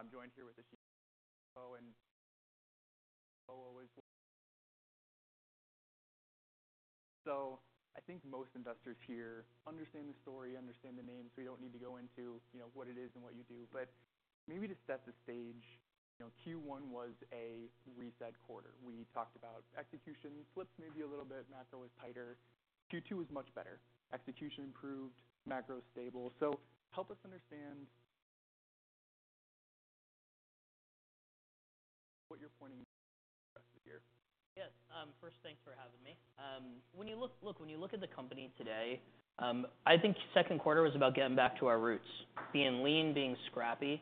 I'm joined here with. [inaudible] So I think most investors here understand the story, understand the name, so we don't need to go into, you know, what it is and what you do. But maybe to set the stage, you know, Q1 was a reset quarter. We talked about execution slipped maybe a little bit, macro was tighter. Q2 was much better. Execution improved, macro stable. So help us understand what you're pointing here. Yes. First, thanks for having me. When you look at the company today, I think Q2 was about getting back to our roots, being lean, being scrappy.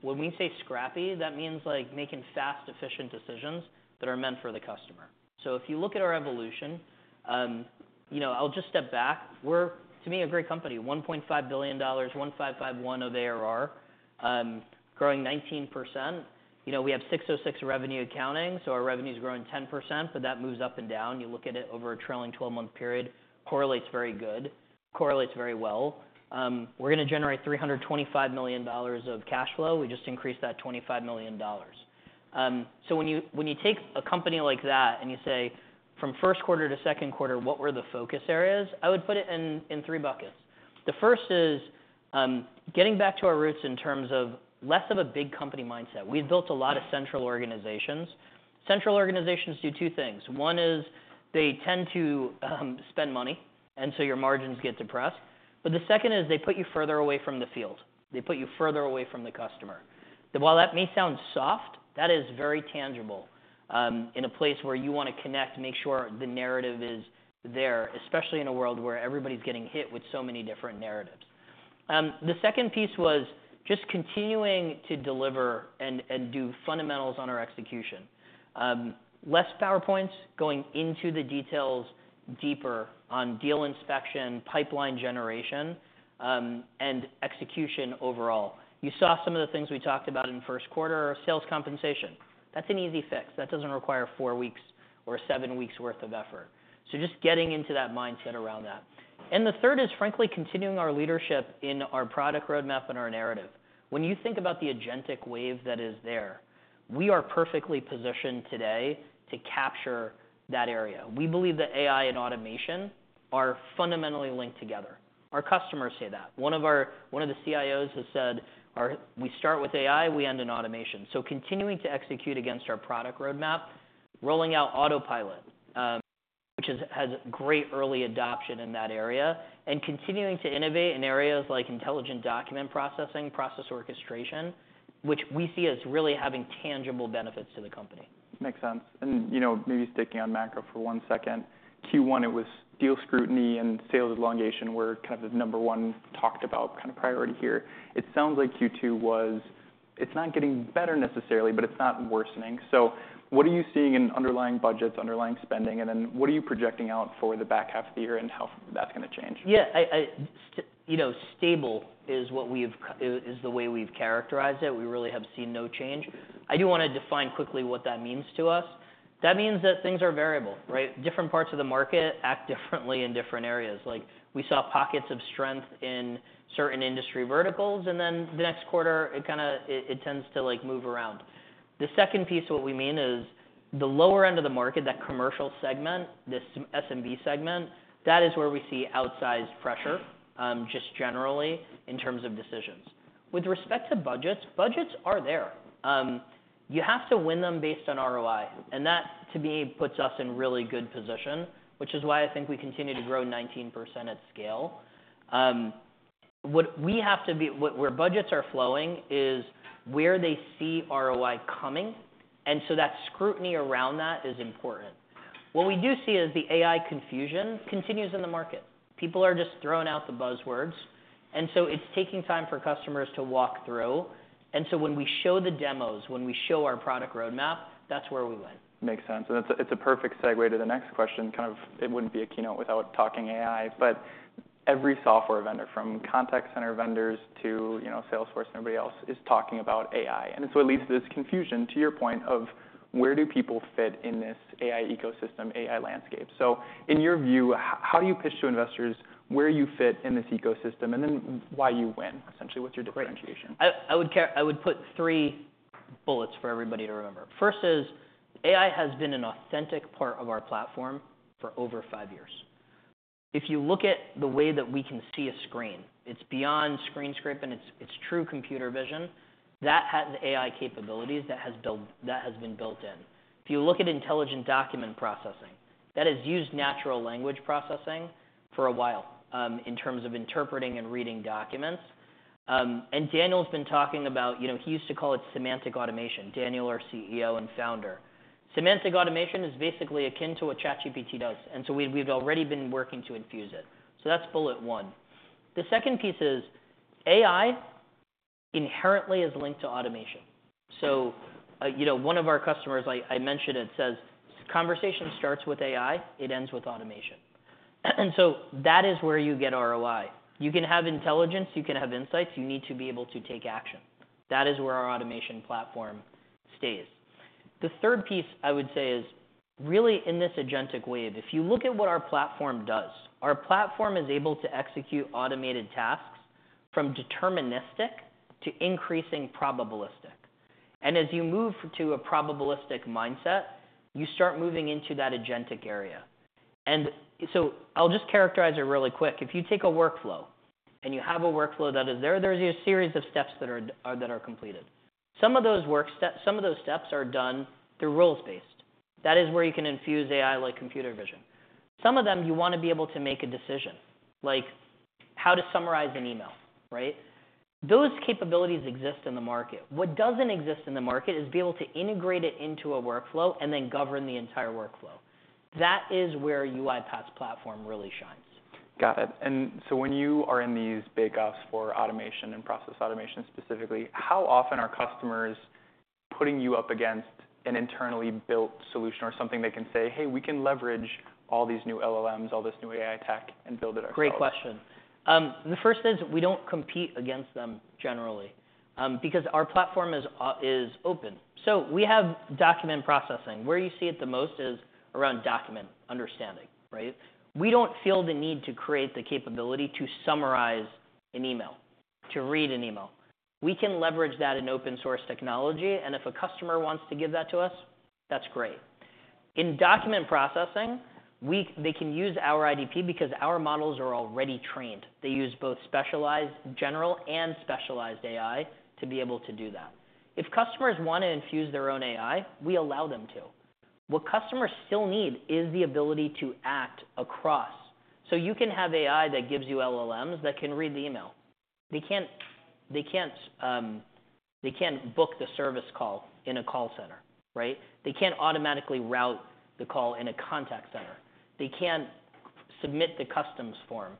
When we say scrappy, that means, like, making fast, efficient decisions that are meant for the customer. So if you look at our evolution, you know, I'll just step back. We're, to me, a great company, $1.5 billion, $1.551 billion of ARR, growing 19%. You know, we have ASC 606 revenue accounting, so our revenue's growing 10%, but that moves up and down. You look at it over a trailing twelve-month period, correlates very good, correlates very well. We're gonna generate $325 million of cash flow. We just increased that $25 million. So when you take a company like that and you say, "From Q1 to Q2, what were the focus areas?" I would put it in three buckets. The first is getting back to our roots in terms of less of a big company mindset. We've built a lot of central organizations. Central organizations do two things. One is they tend to spend money, and so your margins get depressed. But the second is they put you further away from the field, they put you further away from the customer. While that may sound soft, that is very tangible in a place where you want to connect, make sure the narrative is there, especially in a world where everybody's getting hit with so many different narratives. The second piece was just continuing to deliver and do fundamentals on our execution. Less PowerPoints, going into the details deeper on deal inspection, pipeline generation, and execution overall. You saw some of the things we talked about in the Q1 are sales compensation. That's an easy fix. That doesn't require four weeks or seven weeks worth of effort. So just getting into that mindset around that. And the third is, frankly, continuing our leadership in our product roadmap and our narrative. When you think about the agentic wave that is there, we are perfectly positioned today to capture that area. We believe that AI and automation are fundamentally linked together. Our customers say that. One of our CIOs has said, "We start with AI, we end in automation." Continuing to execute against our product roadmap, rolling out Autopilot, which has great early adoption in that area, and continuing to innovate in areas like Intelligent Document Processing, process orchestration, which we see as really having tangible benefits to the company. Makes sense. And, you know, maybe sticking on macro for one second. Q1, it was deal scrutiny and sales elongation were kind of the number one talked about kind of priority here. It sounds like Q2 was, it's not getting better necessarily, but it's not worsening. So what are you seeing in underlying budgets, underlying spending, and then what are you projecting out for the H2 of the year and how that's gonna change? Yeah, you know, stable is what we've characterized it. We really have seen no change. I do wanna define quickly what that means to us. That means that things are variable, right? Different parts of the market act differently in different areas. Like, we saw pockets of strength in certain industry verticals, and then the next quarter, it kinda tends to, like, move around. The second piece, what we mean is the lower end of the market, that commercial segment, this SMB segment, that is where we see outsized pressure, just generally in terms of decisions. With respect to budgets, budgets are there. You have to win them based on ROI, and that, to me, puts us in really good position, which is why I think we continue to grow 19% at scale. Where budgets are flowing is where they see ROI coming, and so that scrutiny around that is important. What we do see is the AI confusion continues in the market. People are just throwing out the buzzwords, and so it's taking time for customers to walk through. And so when we show the demos, when we show our product roadmap, that's where we win. Makes sense. And it's a, it's a perfect segue to the next question. Kind of it wouldn't be a keynote without talking AI, but every software vendor, from contact center vendors to, you know, Salesforce and everybody else, is talking about AI. And so it leads to this confusion, to your point, of where do people fit in this AI ecosystem, AI landscape? So in your view, how do you pitch to investors where you fit in this ecosystem, and then why you win? Essentially, what's your differentiation? I would put three bullets for everybody to remember. First is, AI has been an authentic part of our platform for over five years. If you look at the way that we can see a screen, it's beyond screen scraping, it's true computer vision. That has AI capabilities, that has been built in. If you look at intelligent document processing, that has used natural language processing for a while in terms of interpreting and reading documents, and Daniel's been talking about, you know, he used to call it semantic automation, Daniel, our CEO and founder. Semantic automation is basically akin to what ChatGPT does, and so we've already been working to infuse it. So that's bullet one. The second piece is AI inherently is linked to automation. You know, one of our customers, I mentioned it, says: "Conversation starts with AI, it ends with automation." And so that is where you get ROI. You can have intelligence, you can have insights, you need to be able to take action. That is where our automation platform stays. The third piece I would say is, really in this agentic wave, if you look at what our platform does, our platform is able to execute automated tasks from deterministic to increasing probabilistic. And as you move to a probabilistic mindset, you start moving into that agentic area. And so I'll just characterize it really quick. If you take a workflow, and you have a workflow that is there, there's a series of steps that are that are completed. Some of those steps are done through rules-based. That is where you can infuse AI, like Computer Vision. Some of them, you want to be able to make a decision, like how to summarize an email, right? Those capabilities exist in the market. What doesn't exist in the market is to be able to integrate it into a workflow and then govern the entire workflow. That is where UiPath's platform really shines. Got it. And so when you are in these bake-offs for automation and process automation, specifically, how often are customers putting you up against an internally built solution or something they can say, "Hey, we can leverage all these new LLMs, all this new AI tech, and build it ourselves? Great question. The first is we don't compete against them generally, because our platform is open. So we have document processing. Where you see it the most is around document understanding, right? We don't feel the need to create the capability to summarize an email, to read an email. We can leverage that in open source technology, and if a customer wants to give that to us, that's great. In document processing, they can use our IDP because our models are already trained. They use both specialized general and specialized AI to be able to do that. If customers want to infuse their own AI, we allow them to. What customers still need is the ability to act across. So you can have AI that gives you LLMs, that can read the email. They can't book the service call in a call center, right? They can't automatically route the call in a contact center. They can't submit the customs form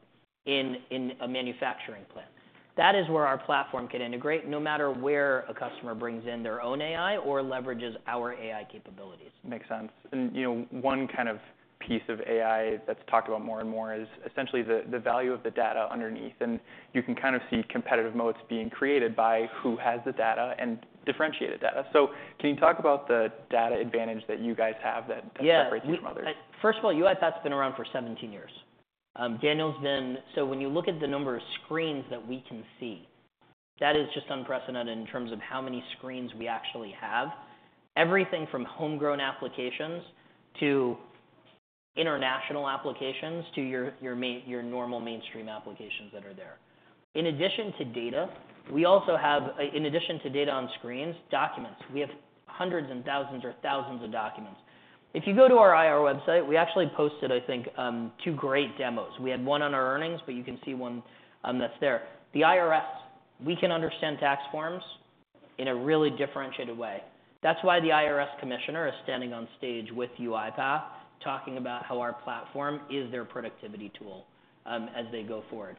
in a manufacturing plant. That is where our platform can integrate, no matter where a customer brings in their own AI or leverages our AI capabilities. Makes sense. And, you know, one kind of piece of AI that's talked about more and more is essentially the value of the data underneath, and you can kind of see competitive moats being created by who has the data and differentiated data. So can you talk about the data advantage that you guys have that- Yeah Separates you from others? First of all, UiPath's been around for 17 years. Daniel's been. So when you look at the number of screens that we can see, that is just unprecedented in terms of how many screens we actually have. Everything from homegrown applications to international applications, to your, your main, your normal mainstream applications that are there. In addition to data, we also have, in addition to data on screens, documents. We have hundreds and thousands or thousands of documents. If you go to our IR website, we actually posted, I think, two great demos. We had one on our earnings, but you can see one, that's there. The IRS, we can understand tax forms in a really differentiated way. That's why the IRS commissioner is standing on stage with UiPath, talking about how our platform is their productivity tool, as they go forward.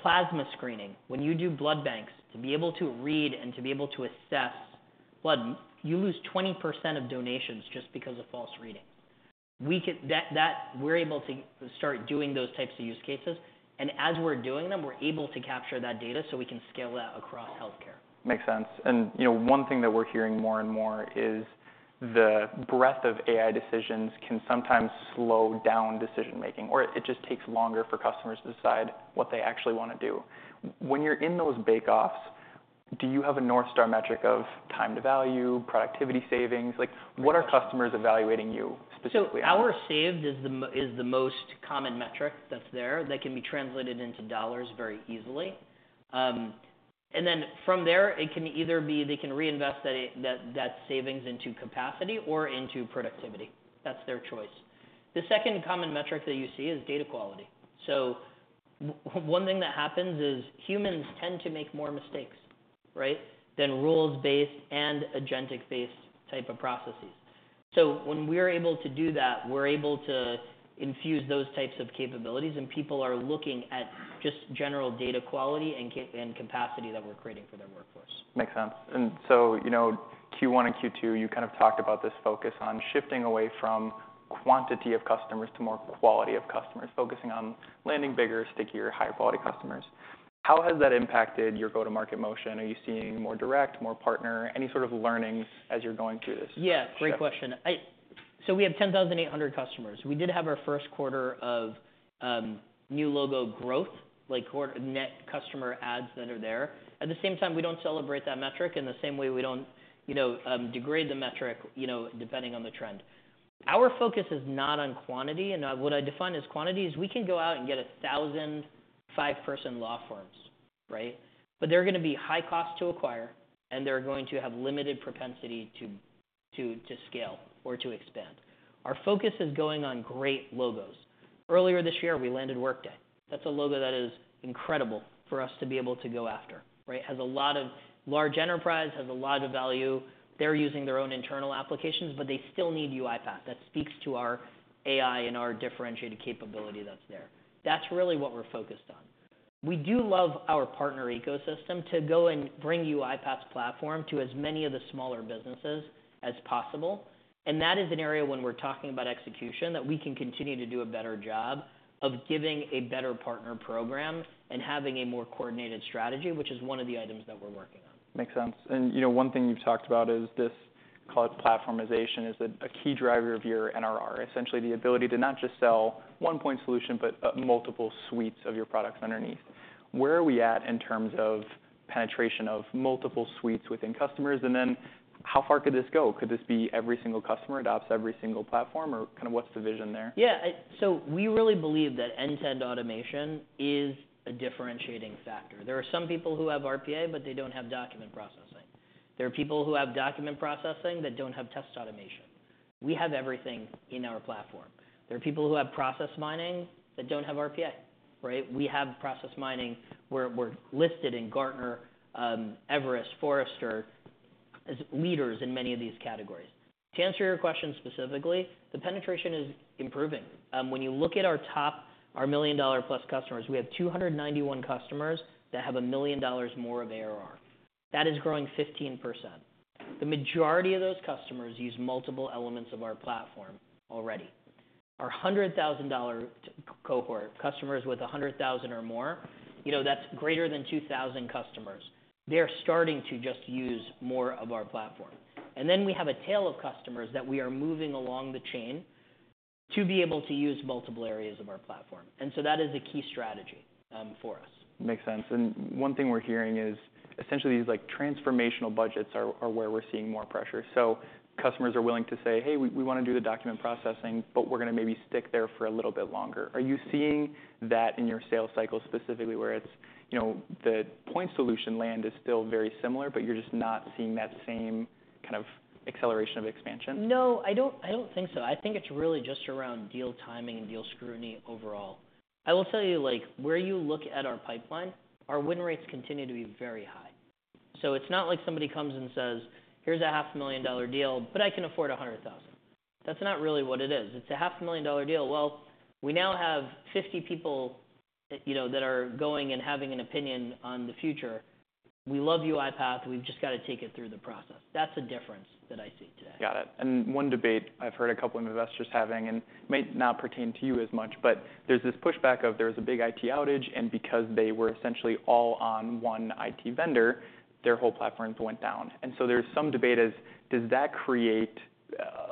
Plasma screening, when you do blood banks, to be able to read and to be able to assess blood, you lose 20% of donations just because of false readings. We're able to start doing those types of use cases, and as we're doing them, we're able to capture that data, so we can scale that across healthcare. Makes sense. And, you know, one thing that we're hearing more and more is the breadth of AI decisions can sometimes slow down decision-making, or it just takes longer for customers to decide what they actually want to do. When you're in those bake-offs, do you have a North Star metric of time to value, productivity savings? Like- Right... what are customers evaluating you specifically on? Hours saved is the most common metric that's there, that can be translated into dollars very easily. Then from there, it can either be, they can reinvest that savings into capacity or into productivity. That's their choice. The second common metric that you see is data quality. One thing that happens is, humans tend to make more mistakes, right, than rules-based and agentic-based type of processes. When we're able to do that, we're able to infuse those types of capabilities, and people are looking at just general data quality and capacity that we're creating for their workforce. Makes sense, and so, you know, Q1 and Q2, you kind of talked about this focus on shifting away from quantity of customers to more quality of customers, focusing on landing bigger, stickier, higher quality customers. How has that impacted your go-to-market motion? Are you seeing more direct, more partner? Any sort of learnings as you're going through this? Yeah, great question. We have 10,800 customers. We did have our Q1 of new logo growth, quarter net customer adds that are there. At the same time, we don't celebrate that metric, in the same way we don't, you know, degrade the metric, you know, depending on the trend. Our focus is not on quantity, and what I define as quantity is we can go out and get 1,000 five-person law firms, right? But they're gonna be high cost to acquire, and they're going to have limited propensity to scale or to expand. Our focus is going on great logos. Earlier this year, we landed Workday. That's a logo that is incredible for us to be able to go after, right? Has a lot of large enterprise, has a lot of value. They're using their own internal applications, but they still need UiPath. That speaks to our AI and our differentiated capability that's there. That's really what we're focused on. We do love our partner ecosystem to go and bring UiPath's platform to as many of the smaller businesses as possible... and that is an area when we're talking about execution, that we can continue to do a better job of giving a better partner program and having a more coordinated strategy, which is one of the items that we're working on. Makes sense. And, you know, one thing you've talked about is this, call it platformization, is a key driver of your NRR. Essentially, the ability to not just sell one-point solution, but multiple suites of your products underneath. Where are we at in terms of penetration of multiple suites within customers? And then how far could this go? Could this be every single customer adopts every single platform, or kind of what's the vision there? Yeah, so we really believe that end-to-end automation is a differentiating factor. There are some people who have RPA, but they don't have document processing. There are people who have document processing, but don't have test automation. We have everything in our platform. There are people who have process mining that don't have RPA, right? We have process mining. We're listed in Gartner, Everest, Forrester, as leaders in many of these categories. To answer your question specifically, the penetration is improving. When you look at our top, our $1 million-plus customers, we have 291 customers that have $1 million or more of ARR. That is growing 15%. The majority of those customers use multiple elements of our platform already. Our hundred-thousand-dollar cohort, customers with $100,000 or more, that's greater than 2,000 customers. They're starting to just use more of our platform, and then we have a tail of customers that we are moving along the chain to be able to use multiple areas of our platform, and so that is a key strategy for us. Makes sense. And one thing we're hearing is, essentially, these, like, transformational budgets are where we're seeing more pressure. So customers are willing to say, "Hey, we wanna do the document processing, but we're gonna maybe stick there for a little bit longer." Are you seeing that in your sales cycle, specifically, where it's, you know, the point solution land is still very similar, but you're just not seeing that same kind of acceleration of expansion? No, I don't, I don't think so. I think it's really just around deal timing and deal scrutiny overall. I will tell you, like, where you look at our pipeline, our win rates continue to be very high. So it's not like somebody comes and says, "Here's a $500,000 deal, but I can afford $100,000." That's not really what it is. It's a $500,000 deal. Well, we now have 50 people that, you know, that are going and having an opinion on the future. "We love UiPath, we've just gotta take it through the process." That's the difference that I see today. Got it. And one debate I've heard a couple of investors having, and may not pertain to you as much, but there's this pushback of there's a big IT outage, and because they were essentially all on one IT vendor, their whole platforms went down. And so there's some debate as, does that create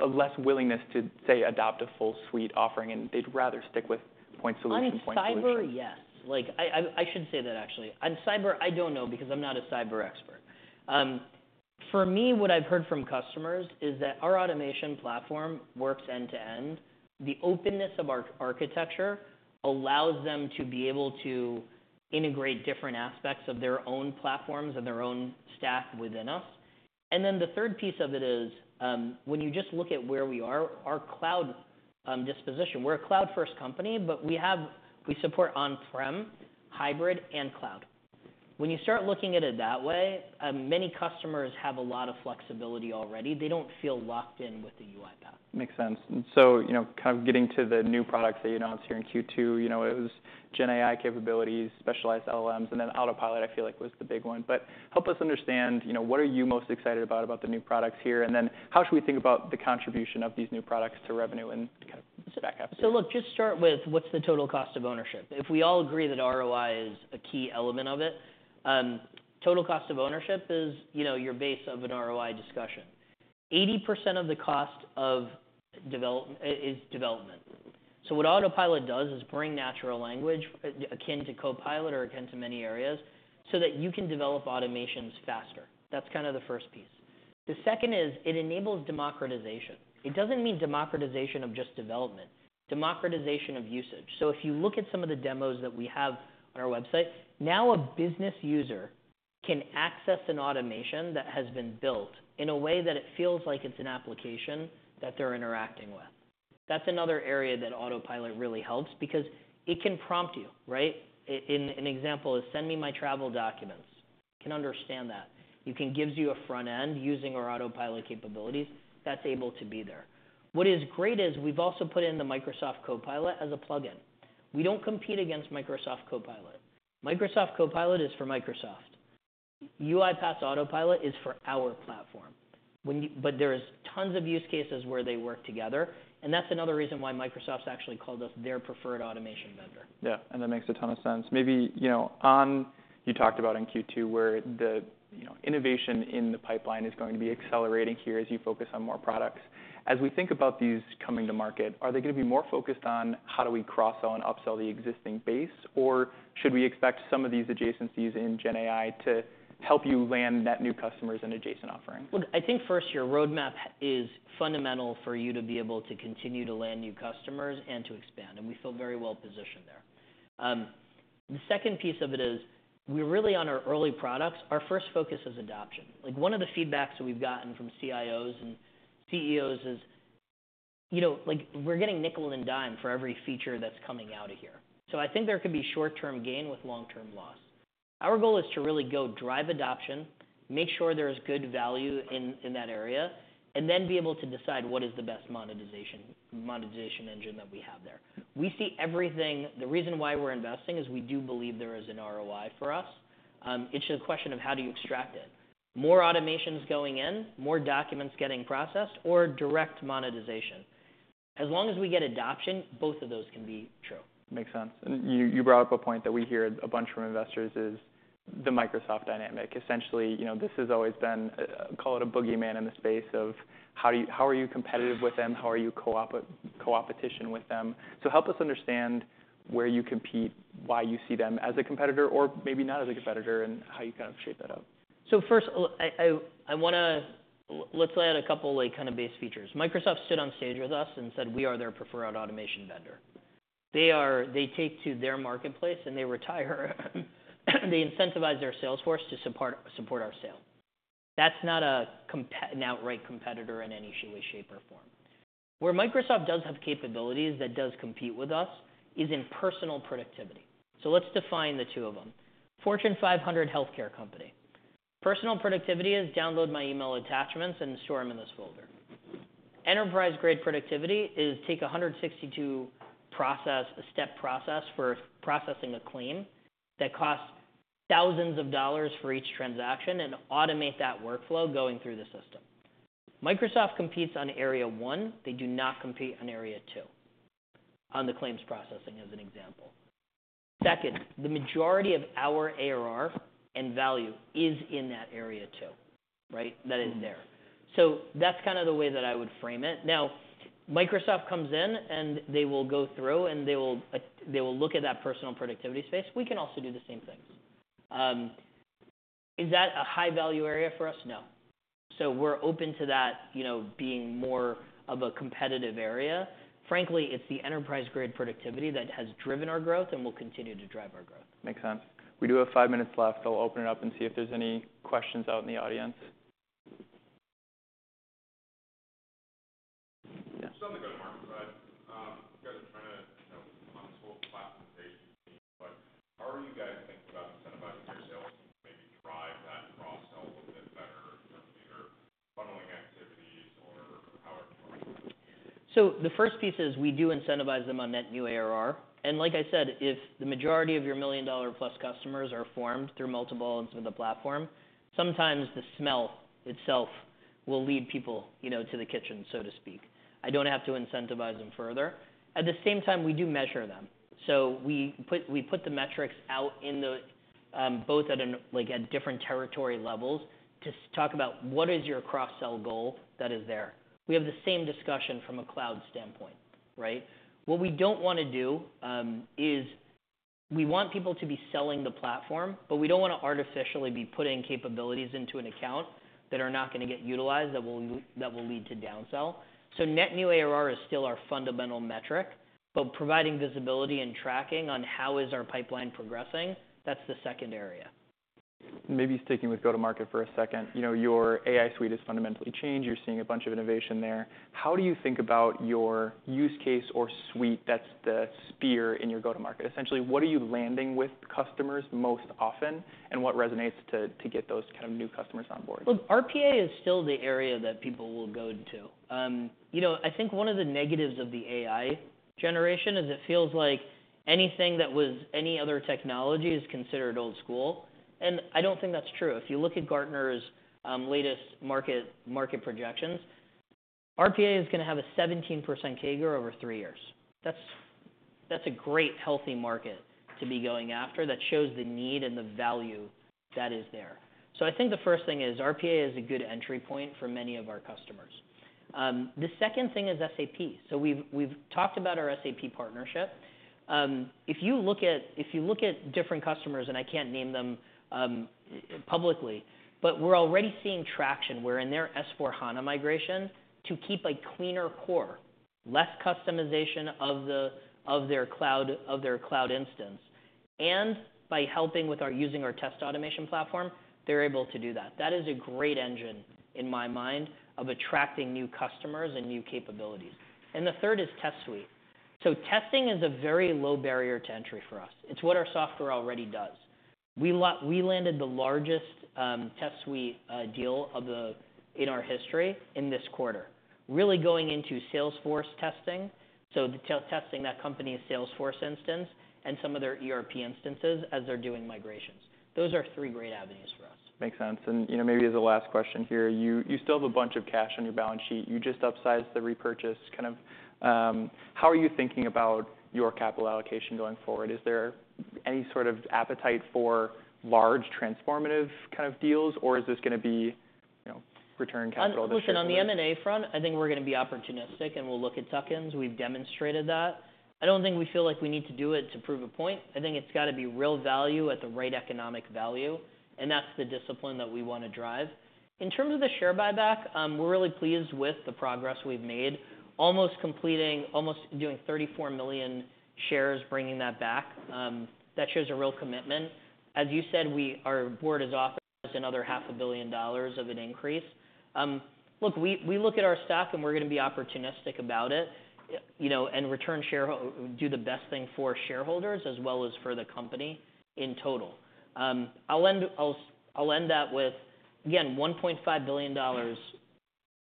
a less willingness to, say, adopt a full suite offering, and they'd rather stick with point solution, point solution? On cyber, yes. Like, I should say that actually. On cyber, I don't know, because I'm not a cyber expert. For me, what I've heard from customers is that our automation platform works end-to-end. The openness of our architecture allows them to be able to integrate different aspects of their own platforms and their own staff within us. And then the third piece of it is, when you just look at where we are, our cloud disposition. We're a cloud-first company, but we have we support on-prem, hybrid, and cloud. When you start looking at it that way, many customers have a lot of flexibility already. They don't feel locked in with the UiPath. Makes sense, and so, you know, kind of getting to the new products that you announced here in Q2, you know, it was GenAI capabilities, specialized LLMs, and then Autopilot, I feel like, was the big one, but help us understand, you know, what are you most excited about, about the new products here, and then how should we think about the contribution of these new products to revenue and kind of set that up? So look, just start with: What's the total cost of ownership? If we all agree that ROI is a key element of it, total cost of ownership is, you know, your base of an ROI discussion. 80% of the cost of development is development. So what Autopilot does is bring natural language, akin to Copilot or akin to many areas, so that you can develop automations faster. That's kind of the first piece. The second is, it enables democratization. It doesn't mean democratization of just development, democratization of usage. So if you look at some of the demos that we have on our website, now a business user can access an automation that has been built in a way that it feels like it's an application that they're interacting with. That's another area that Autopilot really helps, because it can prompt you, right? An example is, "Send me my travel documents." It can understand that. It can gives you a front end using our Autopilot capabilities, that's able to be there. What is great is, we've also put in the Microsoft Copilot as a plugin. We don't compete against Microsoft Copilot. Microsoft Copilot is for Microsoft. UiPath's Autopilot is for our platform. When you but there is tons of use cases where they work together, and that's another reason why Microsoft's actually called us their preferred automation vendor. Yeah, and that makes a ton of sense. Maybe, you know, on... You talked about in Q2, where the, you know, innovation in the pipeline is going to be accelerating here as you focus on more products. As we think about these coming to market, are they gonna be more focused on how do we cross-sell and upsell the existing base? Or should we expect some of these adjacencies in GenAI to help you land net new customers in adjacent offerings? I think, first, your roadmap is fundamental for you to be able to continue to land new customers and to expand, and we feel very well positioned there. The second piece of it is, we're really on our early products. Our first focus is adoption. Like, one of the feedbacks that we've gotten from CIOs and CEOs is, you know, like, we're getting nickeled and dimed for every feature that's coming out of here. So I think there could be short-term gain with long-term loss. Our goal is to really go drive adoption, make sure there is good value in that area, and then be able to decide what is the best monetization engine that we have there. We see everything. The reason why we're investing is we do believe there is an ROI for us. It's just a question of how do you extract it? More automation's going in, more documents getting processed, or direct monetization. As long as we get adoption, both of those can be true. Makes sense. You brought up a point that we hear a bunch from investors is the Microsoft dynamic. Essentially, you know, this has always been, call it a boogeyman in the space of how are you competitive with them? How are you coopetition with them? So help us understand where you compete, why you see them as a competitor or maybe not as a competitor, and how you kind of shape that up. So first, let's lay out a couple, like, kind of base features. Microsoft stood on stage with us and said we are their preferred automation vendor. They take to their marketplace, and they retire, they incentivize their sales force to support our sale. That's not an outright competitor in any way, shape, or form. Where Microsoft does have capabilities that does compete with us is in personal productivity. Let's define the two of them. Fortune 500 healthcare company. Personal productivity is download my email attachments and store them in this folder. Enterprise-grade productivity is take a 162-step process for processing a claim that costs thousands of dollars for each transaction, and automate that workflow going through the system. Microsoft competes on area one. They do not compete on area two, on the claims processing, as an example. Second, the majority of our ARR and value is in that area two, right? That is there. So that's kind of the way that I would frame it. Now, Microsoft comes in, and they will go through, and they will look at that personal productivity space. We can also do the same things. Is that a high-value area for us? No. So we're open to that, you know, being more of a competitive area. Frankly, it's the enterprise-grade productivity that has driven our growth and will continue to drive our growth. Makes sense. We do have five minutes left. I'll open it up and see if there's any questions out in the audience. Yeah. Just on the go-to-market side, you guys are trying to, you know, unfold the classification theme, but how are you guys thinking about incentivizing your sales to maybe drive that cross-sell a little bit better in terms of either funneling activities or how it? So the first piece is, we do incentivize them on net new ARR, and like I said, if the majority of your million-dollar-plus customers are formed through multiple ends of the platform, sometimes the smell itself will lead people, you know, to the kitchen, so to speak. I don't have to incentivize them further. At the same time, we do measure them, so we put the metrics out in the open, both at an aggregate level, like, at different territory levels, to talk about what is your cross-sell goal that is there? We have the same discussion from a cloud standpoint, right? What we don't want to do is we want people to be selling the platform, but we don't want to artificially be putting capabilities into an account that are not going to get utilized, that will lead to downsell. So net new ARR is still our fundamental metric, but providing visibility and tracking on how our pipeline is progressing, that's the second area. Maybe sticking with go-to-market for a second. You know, your AI suite is fundamentally changed. You're seeing a bunch of innovation there. How do you think about your use case or suite that's the spear in your go-to-market? Essentially, what are you landing with customers most often, and what resonates to get those kind of new customers on board? Look, RPA is still the area that people will go into. You know, I think one of the negatives of the AI generation is it feels like anything that was any other technology is considered old school, and I don't think that's true. If you look at Gartner's latest market projections, RPA is going to have a 17% CAGR over three years. That's a great, healthy market to be going after. That shows the need and the value that is there. So I think the first thing is RPA is a good entry point for many of our customers. The second thing is SAP. So we've talked about our SAP partnership. If you look at different customers, and I can't name them publicly, but we're already seeing traction where in their S/4HANA migration to keep a cleaner core, less customization of their cloud instance. And by using our test automation platform, they're able to do that. That is a great engine, in my mind, of attracting new customers and new capabilities. And the third is Test Suite. So testing is a very low barrier to entry for us. It's what our software already does. We landed the largest Test Suite deal in our history in this quarter. Really going into Salesforce testing, so testing that company's Salesforce instance and some of their ERP instances as they're doing migrations. Those are three great avenues for us. Makes sense. And, you know, maybe as a last question here, you still have a bunch of cash on your balance sheet. You just upsized the repurchase. Kind of, how are you thinking about your capital allocation going forward? Is there any sort of appetite for large, transformative kind of deals, or is this going to be, you know, return capital to shareholders? Listen, on the M&A front, I think we're going to be opportunistic, and we'll look at tuck-ins. We've demonstrated that. I don't think we feel like we need to do it to prove a point. I think it's got to be real value at the right economic value, and that's the discipline that we want to drive. In terms of the share buyback, we're really pleased with the progress we've made. Almost doing 34 million shares, bringing that back, that shows a real commitment. As you said, our board has authorized another $500 million of an increase. Look, we look at our stock, and we're going to be opportunistic about it, you know, and do the best thing for shareholders as well as for the company in total. I'll end that with, again, $1.5 billion,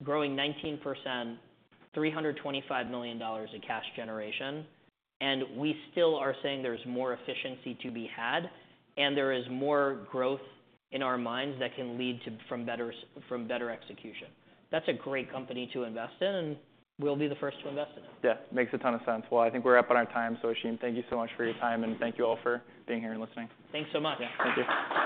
growing 19%, $325 million in cash generation, and we still are saying there's more efficiency to be had, and there is more growth in our minds that can lead to from better execution. That's a great company to invest in, and we'll be the first to invest in it. Yeah, makes a ton of sense. Well, I think we're up on our time. So Ashim, thank you so much for your time, and thank you all for being here and listening. Thanks so much. Yeah. Thank you.